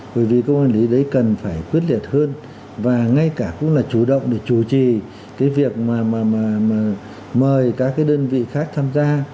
bởi vì cơ quan quản lý ở đấy cần phải quyết liệt hơn và ngay cả cũng là chủ động để chủ trì cái việc mà mời các cái đơn vị khác tham gia